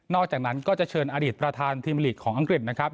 อกจากนั้นก็จะเชิญอดีตประธานทีมหลีกของอังกฤษนะครับ